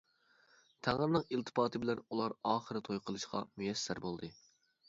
تەڭرىنىڭ ئىلتىپاتى بىلەن ئۇلار ئاخىرى توي قىلىشقا مۇيەسسەر بولدى.